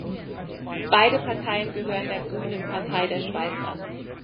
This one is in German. Beide Parteien gehören der Grünen Partei der Schweiz an.